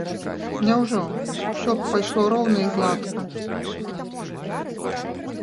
Няўжо ўсё б пайшло роўна і гладка?